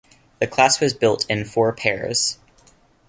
The class was built in four pairs.